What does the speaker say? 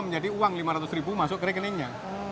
menjadi uang lima ratus ribu masuk ke rekeningnya